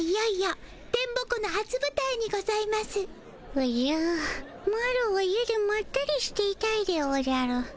おじゃマロは家でまったりしていたいでおじゃる。